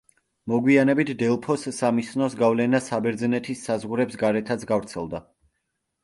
მოგვიანებით დელფოს სამისნოს გავლენა საბერძნეთის საზღვრებს გარეთაც გავრცელდა.